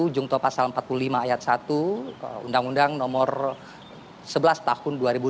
jungto pasal empat puluh lima ayat satu undang undang nomor sebelas tahun dua ribu delapan